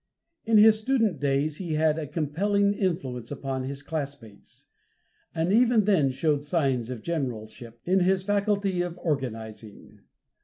In his student days he had a compelling influence upon his classmates, and even then showed signs of generalship in his faculty of organizing.